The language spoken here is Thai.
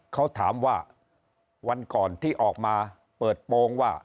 เขาถามว่าวันก่อนที่ออกมาเปิดโปรงว่า